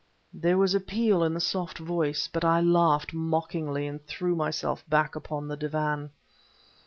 There was appeal in the soft voice, but I laughed mockingly, and threw myself back upon the divan.